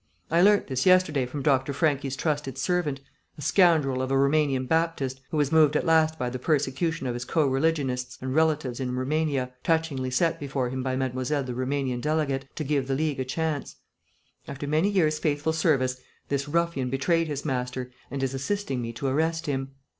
I learnt this yesterday from Dr. Franchi's trusted servant, a scoundrel of a Roumanian Baptist, who was moved at last by the persecution of his co religionists and relatives in Roumania, touchingly set before him by Mademoiselle the Roumanian delegate, to give the League a chance. After many years' faithful service this ruffian betrayed his master and is assisting me to arrest him.